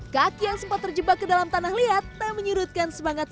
kaki yang sempat terjebak ke dalam tanah liat tak menyurutkan semangat